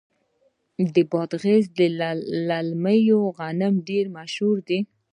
د بادغیس للمي غنم ډیر مشهور دي.